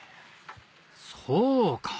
そうか！